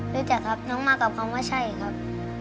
รู้จักครับน้องมากับคำว่าใช่ครับ